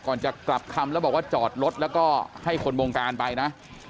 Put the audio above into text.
จะกลับคำแล้วบอกว่าจอดรถแล้วก็ให้คนวงการไปนะ